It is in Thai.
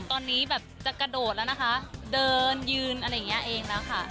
ตอนนี้แบบจะกระโดดแล้วนะคะเดินยืนอะไรอย่างนี้เองแล้วค่ะ